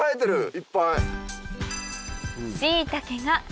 いっぱい。